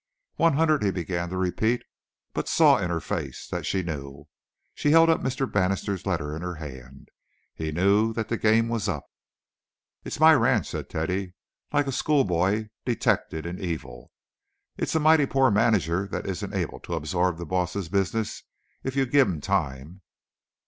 "One hundred—" he began to repeat, but saw in her face that she knew. She held Mr. Bannister's letter in her hand. He knew that the game was up. "It's my ranch," said Teddy, like a schoolboy detected in evil. "It's a mighty poor manager that isn't able to absorb the boss's business if you give him time."